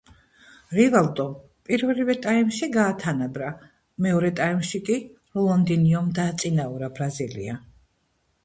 რივალდომ პირველივე ტაიმში გაათანაბრა, მეორე ტაიმში კი რონალდინიომ დააწინაურა ბრაზილია.